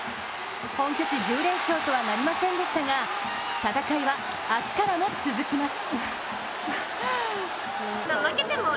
本拠地１０連勝とはなりませんでしたが戦いは明日からも続きます。